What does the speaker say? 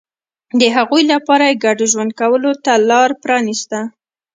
د هغوی لپاره یې ګډ ژوند کولو ته لار پرانېسته.